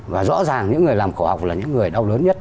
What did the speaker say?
và rõ ràng những người làm cổ học là những người đau lớn nhất